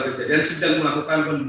kejadian sedang melakukan